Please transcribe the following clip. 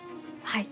はい。